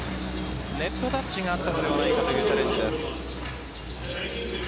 ネットタッチがあったのではないかというチャレンジです。